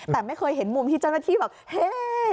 แต่ไม่เคยเห็นมุมที่เจ้าหน้าที่แบบเฮ่